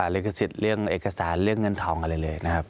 ลิขสิทธิ์เรื่องเอกสารเรื่องเงินทองอะไรเลยนะครับ